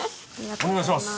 お願いします。